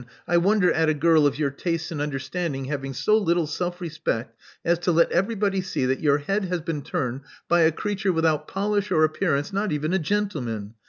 I wonder at a girl of your tastes and understanding having so little self respect as to let everybody see that your head has been turned by a creature without polish or appearance — not even a gentleman.